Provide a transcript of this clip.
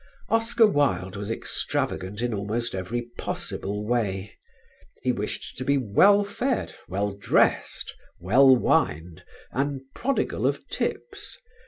Oscar Wilde was extravagant in almost every possible way. He wished to be well fed, well dressed, well wined, and prodigal of "tips."